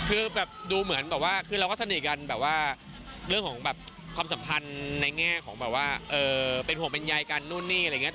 คือแบบดูเหมือนแบบว่าคือเราก็สนิทกันแบบว่าเรื่องของแบบความสัมพันธ์ในแง่ของแบบว่าเป็นห่วงเป็นใยกันนู่นนี่อะไรอย่างนี้